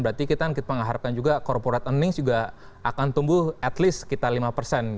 berarti kita mengharapkan juga corporate earnings juga akan tumbuh at least sekitar lima persen